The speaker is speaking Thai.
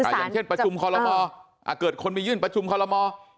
อย่างเช่นประชุมคอลโมเกิดคนไปยื่นประชุมคอลโม